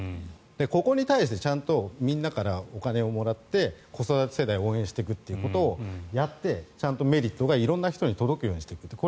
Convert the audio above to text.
ここに対して、ちゃんとみんなからお金をもらって子育て世代を応援していくことをやってちゃんとメリットが色んな人に届くようにする。